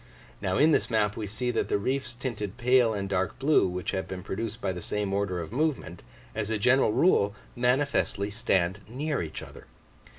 Now in this map we see that the reefs tinted pale and dark blue, which have been produced by the same order of movement, as a general rule manifestly stand near each other.